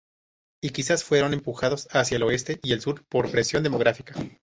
Y quizás fueron empujados hacia el oeste y el sur por presión demográfica.